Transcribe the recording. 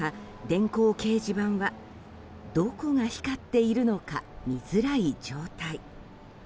電光掲示板はどこが光っているのか見づらい状態。